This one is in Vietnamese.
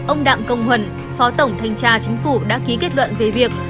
ông đạng công huẩn phó tổng thanh tra chính phủ đã ký kết luận về việc